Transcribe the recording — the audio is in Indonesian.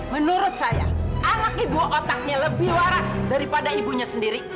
menurut saya anak ibu otaknya lebih waras daripada ibunya sendiri